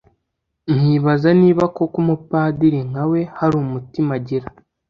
nkibaza niba koko umupadiri nka we hari umutima agira”